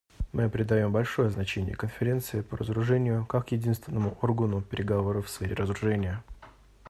Мы придаем большое значение Конференции по разоружению как единственному органу переговоров в сфере разоружения.